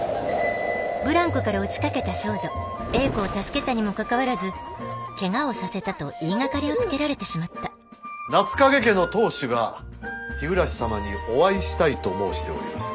ブランコから落ちかけた少女英子を助けたにもかかわらずケガをさせたと言いがかりをつけられてしまった夏影家の当主が日暮様にお会いしたいと申しております。